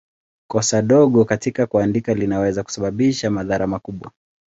Kosa dogo katika kuandika linaweza kusababisha madhara makubwa.